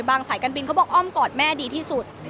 สายการบินเขาบอกอ้อมกอดแม่ดีที่สุด